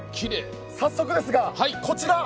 早速ですが、こちら。